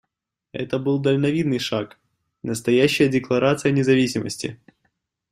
Это был дальновидный шаг, настоящая декларация независимости.